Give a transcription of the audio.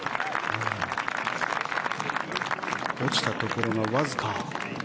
落ちたところが、わずか。